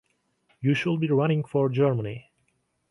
You should be running for Germany.